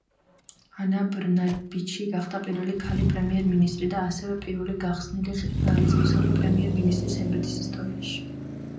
ანა ბრნაბიჩი გახდა პირველი ქალი პრემიერ-მინისტრი და ასევე პირველი გახსნილი ლესბოსელი პრემიერ-მინისტრი სერბეთის ისტორიაში.